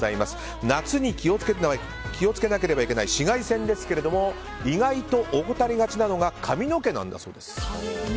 夏に気を付けなければいけない紫外線ですけども意外と怠りがちなのが髪の毛なんだそうです。